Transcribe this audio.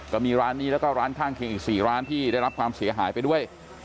ก็มีร้านนี้แล้วก็ร้านข้างเคียงอีก๔ร้านที่ได้รับความเสียหายไปด้วย